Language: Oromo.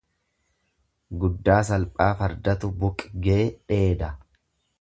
Guddaa salphaa fardatu buqgee dheeda.